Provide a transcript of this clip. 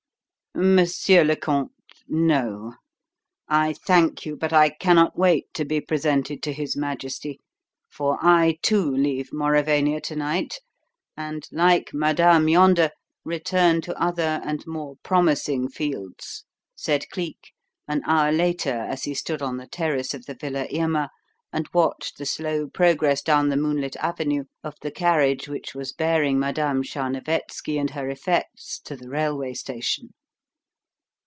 "Monsieur le comte no! I thank you, but I cannot wait to be presented to his Majesty, for I, too, leave Mauravania to night, and, like Madame yonder, return to other and more promising fields," said Cleek, an hour later, as he stood on the terrace of the Villa Irma and watched the slow progress down the moonlit avenue of the carriage which was bearing Madame Tcharnovetski and her effects to the railway station.